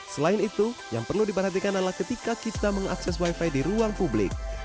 selain itu yang perlu diperhatikan adalah ketika kita mengakses wifi di ruang publik